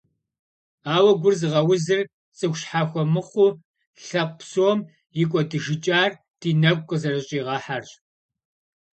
Ауэ гур зыгъэузыр, цӀыху щхьэхуэ мыхъуу, лъэпкъ псом и кӀуэдыжыкӀар ди нэгу къызэрыщӀигъэхьэрщ.